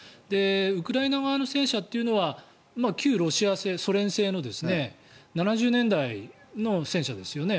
ウクライナ側の戦車というのは旧ロシア製、ソ連製の７０年代の戦車ですよね。